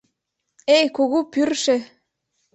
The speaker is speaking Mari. Эй, кугу пӱрышӧ!